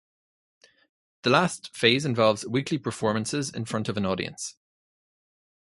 The last phase involves weekly performances in front of an audience.